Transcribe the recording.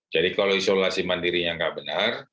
jadi kalau isolasi mandirinya nggak benar